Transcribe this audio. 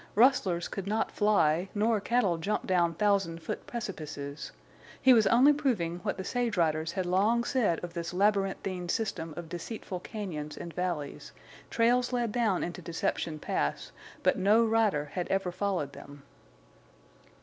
Rustlers could not fly, nor cattle jump down thousand foot precipices. He was only proving what the sage riders had long said of this labyrinthine system of deceitful cañons and valleys—trails led down into Deception Pass, but no rider had ever followed them.